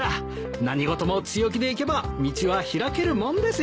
何事も強気でいけば道は開けるもんですよ。